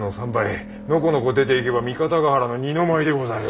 のこのこ出ていけば三方ヶ原の二の舞でございます。